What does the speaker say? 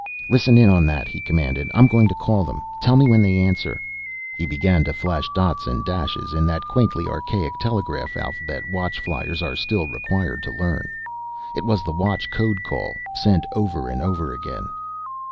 "Listen in on that," he commanded. "I'm going to call them. Tell me when they answer." He began to flash dots and dashes in that quaintly archaic telegraph alphabet Watch fliers are still required to learn. It was the Watch code call, sent over and over again.